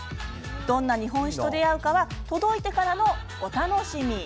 どんな日本酒と出会うかは届いてからのお楽しみ。